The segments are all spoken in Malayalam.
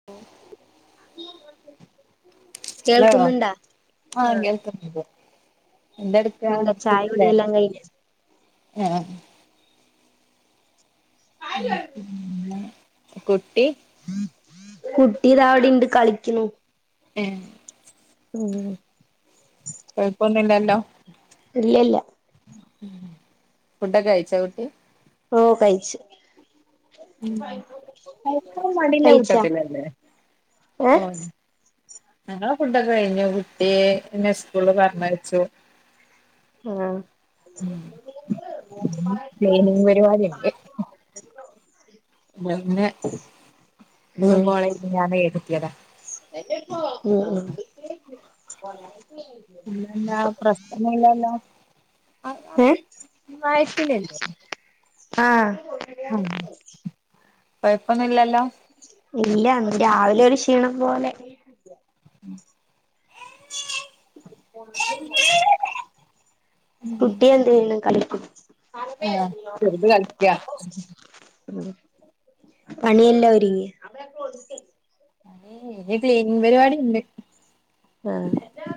ഓഹ് [unintelligible] ലേവാ ആഹ് കേൾക്ക്ന്നില്ല ന്തെട്ക്കാ എന്താ ചായ സുഖ്ല്ലേ കുടിയെല്ലാം കഴിഞ്ഞോ ഏഹ് ആഹ് കുട്ടീ കുട്ടിതാവ്ട്ണ്ട് കളിക്ക്‌ണു ഏഹ് ഉം കൊയപ്പൊന്ന്ല്ലലോ ഇല്ലെല്ലാ ഫുഡക്കെയ്ച്ചോ കുട്ടി ഓഹ് കയ്ച്ച് ഉം ഉം കയ്ക്കാൻ മടിയ്ല്ല കഴിച്ചാ കൂട്ടത്ത്ലല്ലേ ഏ ഓയ്ന്നെ ഞങ്ങളെ ഫുഡൊക്കെ കയ്ഞ്ഞു കുട്ടീ നെ സ്കൂള്ല് പർഞ്ഞയ്ച്ചു ആഹ് [unintelligible] പ്ലെയിനിങ് പരിപാടി ഇണ്ട് അത് ന്നൈ ഉം [unintelligible] ഞാന എടുത്തിയതാ ഉം ഉം പിന്നെന്ന പ്രസ്ന ന്നുല്ലലൊ ഏ വയറ്റില്ലല്ലേ ആഹ് ആഹ് കൊയപ്പൊന്നും ഇല്ലല്ലോ? ഇല്ല രാവിലെ ഒരു ക്ഷീണം പോലെ ഉം കുട്ടിയ എന്ത് യ്യണ് കളിക്ക ആഹ് ചെറുത് കളിക്കാ ഉം പണിയെല്ലാം ഒരുങ്ങിയോ? ഏ ക്ലീനിങ് പരിപാടി ഉണ്ട്. ആഹ്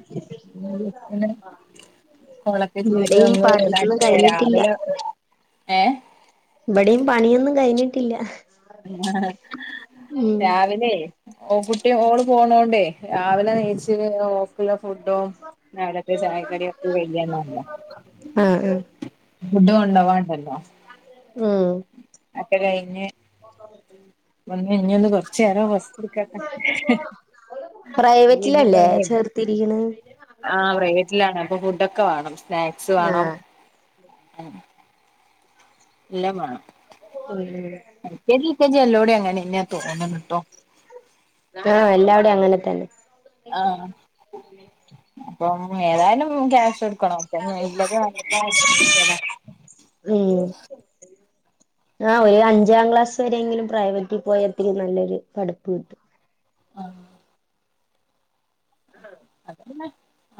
[unintelligible] കൊളൊക്കെ ചെയ്ത് ഇവിടെയും പണിയൊന്നും വന്ന്തേട്ടെ കഴിഞ്ഞിട്ടില്ല രാവിലെ ഏഹ് ഇവിടെം പണിയൊന്നും കഴിഞ്ഞിട്ടില്ല. ആഹ് ഉം രാവിലേ ഓ കുട്ടി ഓള് പോണോണ്ടേ രാവിലെ നിച്ച്ഓ ക്ക് ഫുഡോ നാടത്തെ ചായക്കറിയ ഒക്ക്യന്നല്ല ആഹ് ആഹ് ഫുഡു കൊണ്ടവാണ്ടല്ലോ? ഉം അക്കെ കഴിഞ്ഞ്. [inaudible] ഒന്ന് ഇഞ്ഞൊന്ന് കൊറച്ചു നേരം റസ്റ്റ്‌ ഡ്കട്ടെ പ്രൈവറ്റിലല്ലേ ചേർത്തിരിക്കണ് ആഹ് പ്രൈവറ്റിലാണ് അപ്പൊ ഫുഡൊക്കെ വേണം സ്നാക്സ് വേണം. ആഹ് ഉം എല്ലാം വേണം. ഉം... L K G U K G അല്ലോടെ അങ്ങനാന്നേ തോന്നണു ട്ടോ. ആഹ് എല്ലാവിടെയും അങ്ങനെ തന്നെ. ആഹ് അപ്പം ഏതായാലും ക്യാഷ് എടുക്കണോം. മെയ്ലത് [unintelligible] ഇല്ലത് നല്ല ഉം. ആഹ് ഒരു അഞ്ചാം ക്ലാസ് വരെെയങ്കിലും പ്രൈവറ്റിൽ പോയി അത്തിക്കും നല്ലൊര്പഠിപ്പ് കിട്ടും. ആഹ് ആഹ് അപ്പപിന്നെ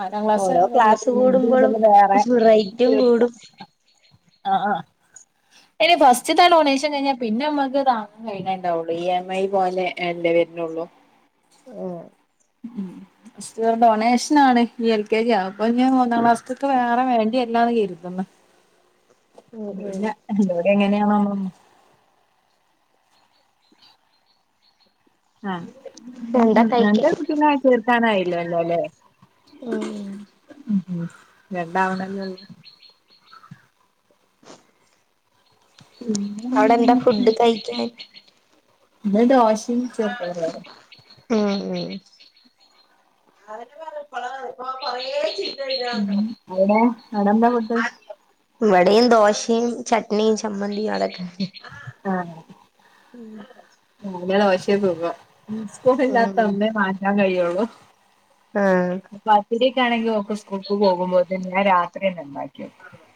ആറാം ക്ലാസ് വരെ കഴിഞ്ഞിട്ട് കൂടുമ്പോഴും പീന്നേ ത വേറെ റേറ്റും തീർത്ത കൂടും ആഹ് ആ.. ഇനി ഫസ്റ്റ് ത്തേ ഡൊണേഷൻ കഴഞ്ഞാൽ പിന്നെ നമ്മുക്ക് താങ്ങാൻ കഴിയേണ്ടുള്ളൂ ഇ എം ഐ പോലെ എന്റേ വരുന്നള്ളൂ. ഓഹ്. ഉം. ഫസ്റ്റ്ന്ന് ഡൊണേഷന ആണ് ഈ എൽ കെ ജി ആപ്പൊ ഇനി മൂന്നാം ക്ലാസ്സത്തേക്ക് വേറെ വേണ്ടിയല്ലാന്ന് കരുതുന്നു. ഉം ഉം പിന്നെ എവിടെ എങ്ങനെയാണോതൊന്നുണു. ആഹ് എന്താ കഴിക്കാൻ നന്റെ കുട്ടിനേഅ തീർക്കാനായില്ലേല്ലോ അല്ലേഉം ഉം ഉം രണ്ടാവണല്ലേള്ള്- അവിടെന്താ ഫുഡ് കഴിക്കാൻ? ഇന്ന് ദോഷിം ചേർപയർ കറി ഉം [unintelligible] ഉം അവ്‌ടെ അവ്‌ടെ എന്താ ഫുഡ്‌ ഇവടിം ദോഷിം ചട്നി ചമ്മന്തി അതൊക്കെ ആ [unintelligible] ദോഷേ സുഖം സ്കൂള് ഇല്ലാത്ത ഉം അന്നെ മാറ്റാൻ കയ്യള്ളൂ ആഹ് പത്തിരി ഒക്കെ ആണെങ്കി ഓക്ക് സ്കൂൾക്ക് പോകുമ്പോത്തിന് ഞാന് രാത്രിയന്നെ ഇണ്ടാക്കി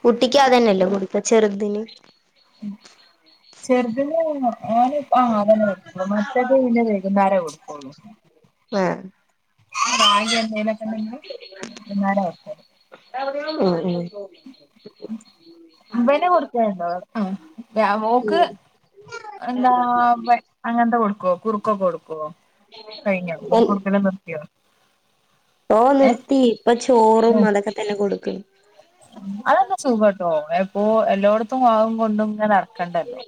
കുട്ടിക്കതന്നല്ലേ കൊടുക്ക ചെർതിന് ചെർതിന് ഓന് [unintelligible] മറ്റേത് പിന്നെ വൈകുന്നാര കൊടുക്കൊള്ളൂ ആ റാഗി എന്തേലോ ഉം ഉം വന് കൊടുക്കെണ്ടോ ആ എ മോക്ക് എന്താ [unintelligible] അങ്ങൻത്തെ കൊടുക്കൊ കുറുക്കൊക്കെ കൊടുക്കൊ കഴിഞ്ഞോ ഉം കുർക്ക് കൊടുക്കല് നിർത്തിയോ ഓ ഏഹ് നിർത്തി ഇപ്പ ചോറും അതൊക്കെ തന്നെ കൊടുക്കും അതൊക്കെ സുഗാട്ടോ എപ്പോ എല്ലോട്ത്തും [unintelligible] കൊണ്ടും ങ്ങ നട്ക്കണ്ടല്ലോ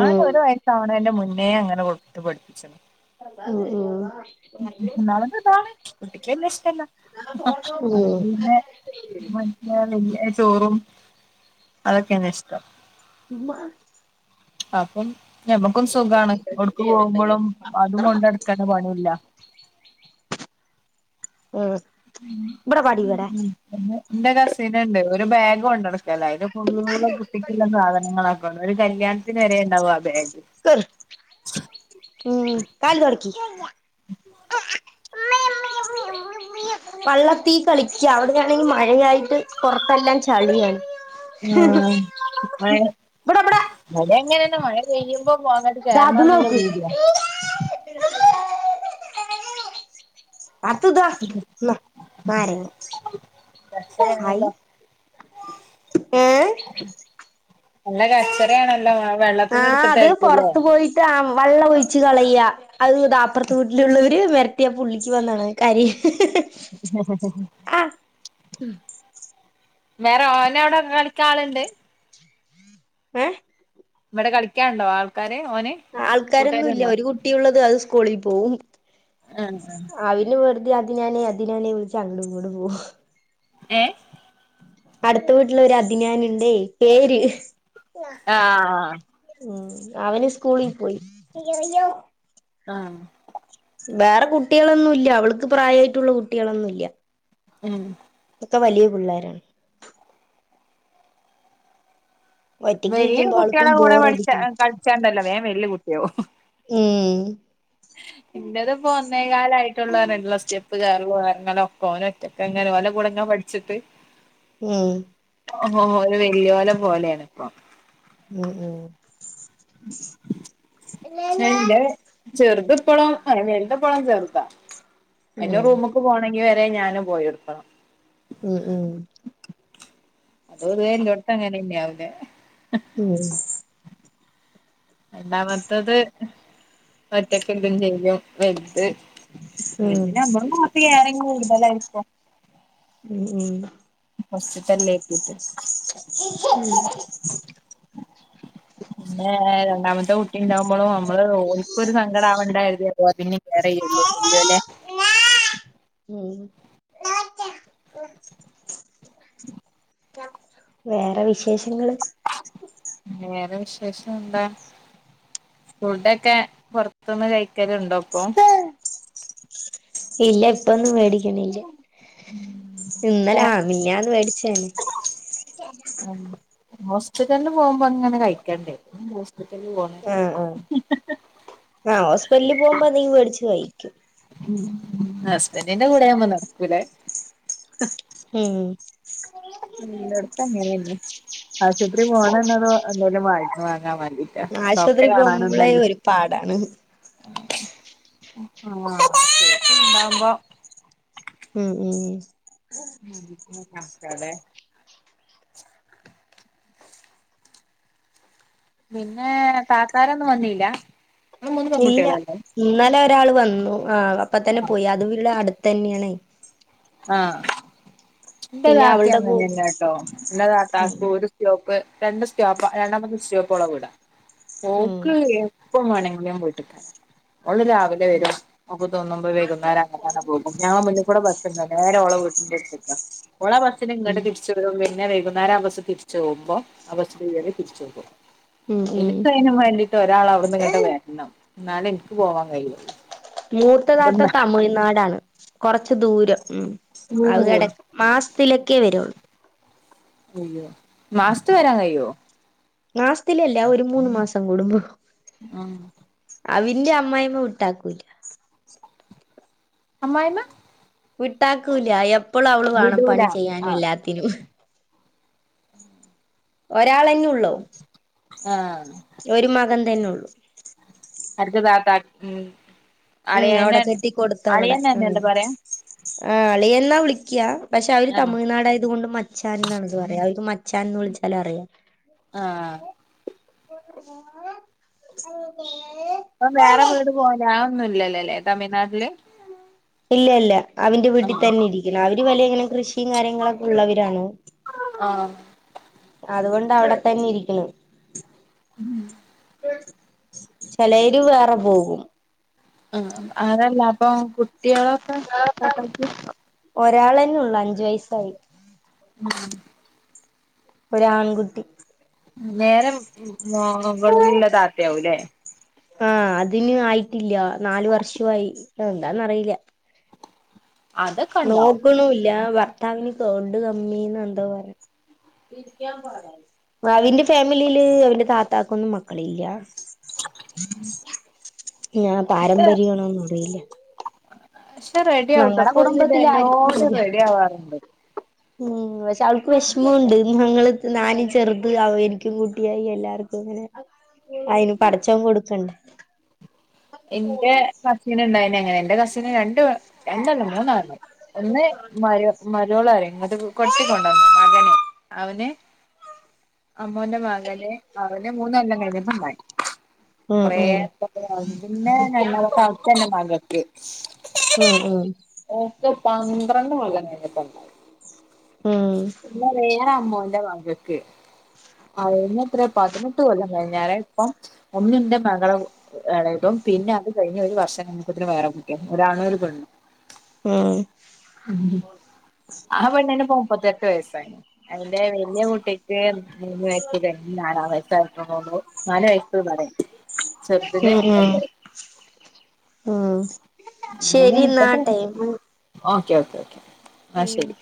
ഉം ഒരു വയസ്സാവ്ണെന്റെ മുന്നേ അങ്ങനെ കൊട്ത്ത് പഠിപ്പിച് ഉം ഉം ഒന്നാമത് ഇതാണ് കുട്ടിക്ക് വല്യ ഇഷ്ടല്ല ഉം മ [unintelligible] വല്ല്യ ചോറും അതൊക്കെണ് ഇഷ്ടം മ്മ ഹ് അപ്പം ഞമ്മക്കും സുഗാണ് ഒട്ക്ക് പോവുമ്പളും അതും കൊണ്ടട്ക്ക്ണ പണിയല്ല ആ ഇന്റെ കസിന് ഇണ്ട് ഓല് ബെഗ് കൊണ്ടട്ക്കല അയില് ഫുള്ള് കുട്ടി ട്ടിന്റെ സാധനങ്ങളക്കാര ഒരു കല്യാൺത്തിന് വരെ ഇണ്ടാവും ആ ബേഗ് [unintelligible] വള്ളത്തീ കളിക്ക്യ അവടെയാണെങ്കി മഴയായിട്ട് പൊർത്തെല്ലാം ചളിയാണ് ആഹ് മ ഇബടെ ഇബടെ അതെങ്ങനെണ് മഴ പെയ്യുമ്പോ [unintelligible] ദാ അത് കെർണം [unintelligible] നോക്ക് അതന്താ ന്നാ നാരങ്ങ [unintelligible] ഹായ് ഏ നല്ല കച്ചറേണല്ലോ വെള്ളത്ത്ന്ന് ഇട്ത്തിട്ടെക്കു ലെ വള്ള ഒയിച്ച് കളയ അഹ് താ അപ്പർത്തെ വീട്ടിലുള്ളവര് വര് ത്തിയാ പുള്ളിക്ക് വന്നാണ് കരി ആ ഹ ഹ ഹാ ആ വേറെ ഓന്റ [unintelligible] ആള്ണ്ട് ഏഹ് ഇവടെ കളിക്ക്യാണ്ടോ ആൾക്കാര് ഓന് ആൾക്കാരൊന്നു ഇല്ല കൂട്ടുകാരുണ്ടോ ഒരു കുട്ടിഴുള്ളത് അത് സ്കൂളിൽ പോവും അയിന് വെർതെ അദിനാനേ അദിനാനെ വിൾച്ച് അങ്ങടും ഇങ്ങടും പോവും ഏ അട്ത്ത വീട്ടില് ഒരു അദിനാന്ണ്ടേ പേര് ആഹ് ഉം അവന് സ്കൂളി പോയി ആഹ് വേറെ കുട്ടിയളൊന്നു ഇല്ല അവൾക്ക് പ്രായായിട്ടുള്ള കുട്ടിയളൊന്നു ല്ല്യ ഉം ഒക്കെ വലിയ പിള്ളേരാണ് ഒറ്റക്ക് വല്ല്യ ഇരിക്കുമ്പോ ആൾക്കും കുട്ട്യാളെ കൂടെ പഠിച്ച ബോറടിക്കും കൾച്ചാണ്ടല്ലോ വേം വല്ല്യ കുട്ട്യാവും ഉം ഇന്റത് പ്പോ ഒന്നേ കാലായിട്ടൊള്ളുല്ല സ്റ്റെപ്പ് കേറലു എർങ്ങലൊക്കോന് ക്കെ ങ്ങനെ ഒലെ കൂടെ ഇങ്ങ പഠിച്ചിട്ട് ഉം ഓല് വല്യോലെ പോലെയാണ് ഇപ്പൊ ഉം ഉം ഉം ഉം രണ്ടേ ചെർത്പ്പളും അല്ല വൽത്പ്പളും ചെർതാ അയ്നെ റൂമു ഉം ക്ക് പോണെങ്കി വരെ ഞാനും പോയൊട്ക്കണം ഉം ഉം അത് ന്നെ എല്ലോട്ത്തങ്ങനെന്നാവുലെ ഉം രണ്ടാമത്തത് ഒറ്റയ്ക്കെന്തേലും ചെയ്തേ വൽത് ഇതിന നമ്മളെ നാട്ടി ഏറിം കൂട്തലായിരിക്കും ഉം ഉം ഫസ്റ്റ്ത്തല്ലെ അക്കിട്ട് ഉം ഇമ്മളെ രണ്ടാമത്തെ കു ഇണ്ടാവുമ്പളോ നമ്മള് ഓൽക്കൊരു സങ്കടാവണ്ടായർതി പിന്നിം കെയറെയ്യുള്ളൂ വല്ല്യോലെ ഉം വേറെ വിശേഷങ്ങള് വേറെ വിശേഷം ന്താ ഫുഡൊക്കെ പൊർത്ത്ന്ന് കൈക്കല്ണ്ടോ പ്പം ഇല്ല ഇപ്പൊന്നും മേടിക്കണില്ല അപ്പൊ ഇന്നലെ ആഹ് മിഞാന്ന് മേടിച്ചേനേ ഉം ഹോസ്പിറ്റൽന്ന് പോവുമ്പോ അങ്ങനെ കഴിക്കണ്ടേ ഇനി ആഹ് ആഹ് ആഹ് ഹോസ്പിറ്റലി പോവുമ്പോ എന്തെങ്കി മേടിച്ചു കഴിയ്ക്കും ഹസ്ബൻറിന്റെ കൂടെ ആവുമ്പോ നടക്കൂലെ ഉം എല്ലോട്തു അങ്ങനെന്നെ ആശുത്രി പോണന്നത് ന്തേലും വങ്ങി വാങ്ങാ മാണ്ടി ആശുത്രി പോവുമ്പളേ ഒരു പാടാണ് ആഹ് [inaudible] ഉം ഉം ഉം ക്കും [unintelligible] പിന്നെ താത്താരൊന്നും വന്നീല്ല ഇങ്ങള് മൂന്ന് ഇല്ല പെൺകുട്ടികളല്ലേ ഇന്നലൊരാള് വന്നു ആഹ് അപ്പ തന്നെ പോയി അത് വില്ലേ അടുത്തെന്ന്യാണേ ആഹ് ന്റെ പിന്നെ താത്തി അവളുടെ കൂ അങ്ങനെന്നെട്ടോ എന്റെ താത്താക്കു ഒരു സ്റ്റോപ്പ് രണ്ട് സ്റ്റോപ്പ രണ്ടാമത്തെ സ്റ്റോപ്പോളെ വീടാ ഉം ഓക്ക് എപ്പ വേണെങ്കിലും വീട്ട്ക്കെരാ ഓള് രാവിലെ വരും ഓക്ക് തോന്നുമ്പോ വൈകുന്നേരം അങ്ങട്ടെന്നെ പോകും ഞങ്ങളെ മുന്ന്കൂടെ ബസ് വർണേ നേരോളെ വീടിന്റെട്ത്ത്ക്കാ ഓള ബസിന് ഉം ഇങ്ങട്ട് തിര്ച വരും പിന്നെ വൈകുന്നേര ആഹ് ബസ് തിര്ച്ചോവുമ്പൊ ആഹ് ബസ്സിൽ കേറി തിര്ച്ചോകും ഉം ഉം ഇൻക്കയ്നും വേണ്ടിട്ട് ഒരാൾ അവ്ട്ന്ന് ഇങ്ങട്ട് വരണം ന്നാലെ ഇന്ക്ക് പോവാൻ കയ്യൊള്ളു മൂത്തതാത്ത തമിഴ്നാടാണ് കൊറച്ച് ദൂരം ഉം അഹ് എട ഉം മാസ്ത്തിലൊക്കെ വരുള്ളു അയ്യോ മാസ്ത്ത് വരാൻ കയ്യോ മാസത്തിലല്ല ഒരു മൂന്ന് മാസം കൂടുമ്പോ ആഹ് അവിന്റെ അമ്മായിമ്മ വിട്ടാക്കുല അമ്മായ്മ വിട്ടാക്കൂല്ല എപ്പളും അവള് വാണം വിടൂല പണി ചെയ്യാനും ആഹ് എല്ലാത്തിനും ഒരാളെന്നുള്ളു. ആഹ് ഒരാ മകൻ തന്നുള്ളു അട്ത്ത താത്ത ഉം ഉം അവടെ അളിയനെ കെട്ടി കൊട്ത്ത അവടെ ഉം അളിയനെന്നല്ലേ പറയാ ആഹ് അളിയൻന്ന വിളിക്ക പക്ഷെ അവര് ആഹ് തമിഴ്നാട് ആയത് കൊണ്ട് മറ്റെ മച്ചാൻ ന്നാണ് പറയ അവർക്ക് മച്ചാൻന്ന് വുളിച്ചാല അറിയ. ആഹ് [inaudible] ഇപ്പം വേറെ വീട് പോല ആഹ് ഒന്നുല്ലലലെ തമിഴ്നാട്ല്. ഇല്ല ഇല്ല അവന്റെ വീട്ടി തന്നെ ഇരിക്കണം. അവര് വല്യ ഇങ്ങനെ കൃഷിയും കാര്യങ്ങളൊക്ക ഉള്ളവരാണ്. ആഹ് അതുകൊണ്ട് അവടെ തന്നെ ഇരിക്കണം ഉം ചിലേര് വേറെ പോകും. ആഹ് അതല്ലാപ്പൊ കുട്ടീളൊക്ക താത്തക്ക് ഒരാളന്നൊള്ളു അഞ്ച് വയസ്സായി. ഉം ഒരാൺകുട്ടി. വേറെ മോ ഇവിട്ന്ന്ള്ള താത്ത്യാവുലെ ആഹ് അതിന് ആയിട്ടില്ല നാല് വർഷ്യവായി എന്താന്നറിയില്ല. അതൊക്കെ ഉണ്ടാവും നോക്കുണൂല്ല വർ കൗണ്ട് കമ്മി ന്നന്തൊ പർ ബാബിന്റെ ഫാമിലീല് അവന്റെ താത്താക്കൊന്നും മക്കളില്ല. ഇഞി പാരമ്പര്യാണോന്ന് അറിയില്ല. റെഡിയാവുട്ടൊ ഇപ്പൊ ഒര് വിധ കുടുംബത്തില് ആർക്കും എല്ലാരും ഇല്ല റെഡി ആവാറ്ണ്ട്. ഉം പഷെ അവൾക്ക് വിഷ്മൊണ്ട് ഞങ്ങള് നാലും ചെറ്ത് എനിക്കും കുട്ട്യായി എല്ലാർക്കു ഇങ്ങനെ അയിന് പടച്ചോൻ കൊട്ക്കണ്ടെ? ഇന്റെ കസിന് ഇണ്ടായ്ന് അങ്ങനെ ഇന്റെ കസിന് രണ്ട് രണ്ടല്ല മൂന്നാള്തും ഒന്ന് മരോ മരോ മരോള് അറിം ഇങ്ങ്ട്ട് കെട്ടികൊണ്ടന്ന മകന് അവന് അമ്മോന്റ മകന് അവന് മൂന്നൊല്ലം കഴിഞ്ഞപ്പണ്ടായി ഉം കൊറേ ഉം അറ്റത്ത് പിന്നെ നല്ല സൗത്തന്നെ മകക്ക് ഉം ഉം ഓക്ക് പന്ത്രണ്ട് കൊല്ലം കഴിഞ്ഞിട്ടണ്ടായത്. ഉം ഇന്നാ വേറെ അമ്മോന്റ മകക്ക് അതിനെത്രെ പതിനെട്ട് കൊല്ലം കഴ്ഞ്ഞാരെ ഇപ്പം ഒന്നിന്റെ മകളെ എളെ. ഇപ്പം പിന്നെ അത് കഴിഞ്ഞ് ഒരു വർഷം കഴിഞ്ഞപ്പത്തിന് വേറെ കുട്ടി ഒരാണും ഒരുപെണ്ണും ഉം ഉം ആഹ് പെണ്ണിന്പ്പൊ മുപ്പത്തെട്ട് വയസ്സായി അതിന്റെ വല്യെ കുട്ടി ട്ടിക്ക് മൂന്ന് വയസ്സ് കഴിഞ്ഞ് നാലാം വയസായപ്പോ നാല് വയസ്സ് പറയാ ചെറ്ദിന് ഉം ഉം ഉം അങ്ങനെ ശരിന്നാ മുപ്പത് ടൈമ് ഓക്കെ ഓക്കെ ഓക്കെ, എന്നാൽ ഉം ശരി